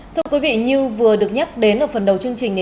thưa quý vị như vừa được nhắc đến ở phần đầu chương trình